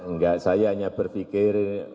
enggak saya hanya berpikir